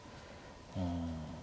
うん。